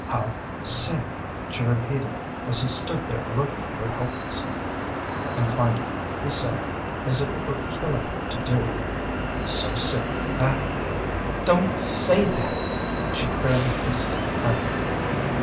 "How sick?" she repeated as he stood there looking at her helplessly. And, finally, he said, as if it were killing him to do it "So sick that " "Don't say that!" she fairly hissed it at him.